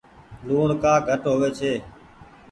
لوڻ ڪآ گھٽ هووي ڇي۔